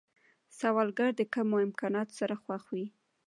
سوالګر د کمو امکاناتو سره خوښ وي